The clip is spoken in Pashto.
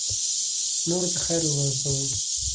نورو ته خیر ورسوئ